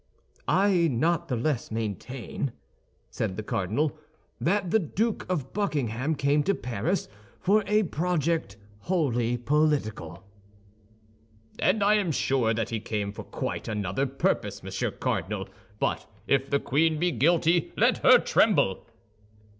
"I not the less maintain," said the cardinal, "that the Duke of Buckingham came to Paris for a project wholly political." "And I am sure that he came for quite another purpose, Monsieur Cardinal; but if the queen be guilty, let her tremble!"